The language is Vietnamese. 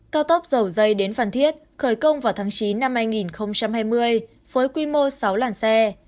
cao tốc dầu dây đến phan thiết khởi công vào tháng chín năm hai nghìn hai mươi với quy mô sáu làn xe